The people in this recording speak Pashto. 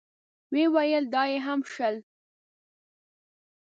ويې ويل: دا يې هم شل.